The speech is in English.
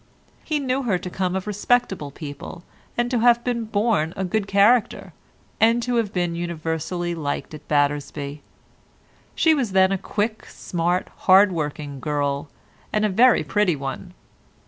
He knew her to come of respectable people, and to have borne a good character, and to have been universally liked at Battersby. She was then a quick, smart, hard working girl—and a very pretty one.